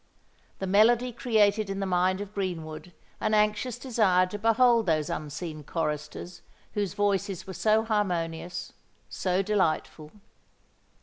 The melody created in the mind of Greenwood an anxious desire to behold those unseen choristers whose voices were so harmonious, so delightful.